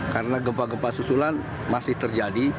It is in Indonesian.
karena gempa gempa susulan masih terjadi